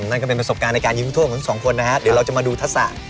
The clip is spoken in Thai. นั่นก็เป็นประสบการณ์ในการยิงผู้โทษของทั้งสองคนนะฮะเดี๋ยวเราจะมาดูทักษะ